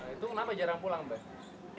itu kenapa jarang pulang mbak